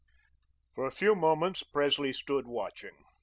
For a few moments, Presley stood, watching.